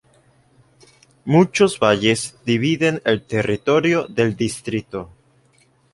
Muchos valles dividen el territorio del distrito.